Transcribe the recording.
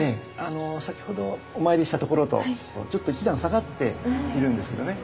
先ほどお参りしたところとちょっと一段下がっているんですけどね。